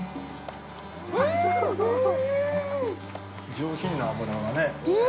◆上品な脂がね。